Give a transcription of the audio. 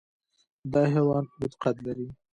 دا حیوان اوږده قد لري.